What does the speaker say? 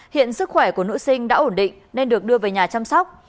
hiện sức khỏe của nữ sinh đã ổn định nên được đưa về nhà chăm sóc